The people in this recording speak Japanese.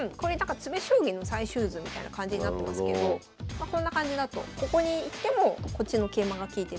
詰将棋の最終図みたいな感じになってますけどこんな感じだとここに行ってもこっちの桂馬が利いてるし